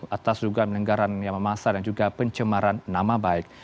atas dugaan pelanggaran yang memasak dan juga pencemaran nama baik